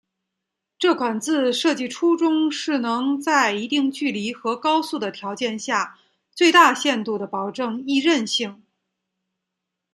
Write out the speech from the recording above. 这款字设计初衷是能在一定距离和高速的条件下最大限度地保证易认性。